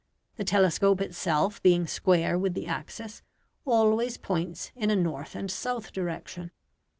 The telescope itself being square with the axis, always points in a north and south direction.